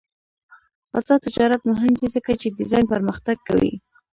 آزاد تجارت مهم دی ځکه چې ډیزاین پرمختګ کوي.